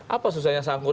apa susahnya sangkur